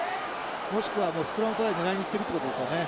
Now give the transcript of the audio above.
もしくはスクラムトライ狙いにいってるっていうことですよね。